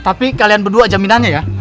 tapi kalian berdua jaminannya ya